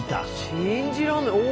信じらんないお。